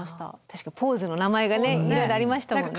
確かにポーズの名前がねいろいろありましたもんね。